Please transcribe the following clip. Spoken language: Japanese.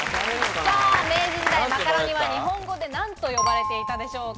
明治時代、マカロニは日本語で何と呼ばれていたでしょうか？